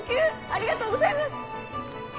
ありがとうございます！